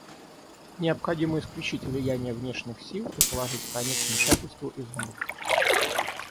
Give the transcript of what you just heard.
Необходимо исключить влияние внешних сил и положить конец вмешательству извне.